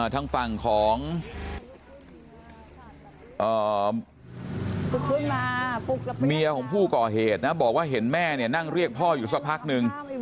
ทางฝั่งของเมียของผู้ก่อเหตุนะบอกว่าเห็นแม่เนี่ยนั่งเรียกพ่ออยู่สักพักนึง